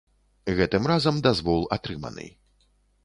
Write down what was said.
Гэтым разам дазвол атрыманы.